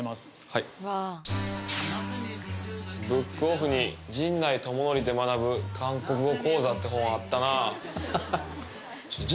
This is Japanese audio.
はい「ブックオフに『陣内智則で学ぶ韓国語講座』って本あったなぁ」